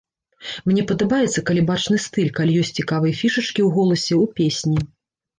Мне падабаецца, калі бачны стыль, калі ёсць цікавыя фішачкі у голасе, у песні.